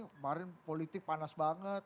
kemarin politik panas banget